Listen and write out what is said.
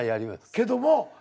けども。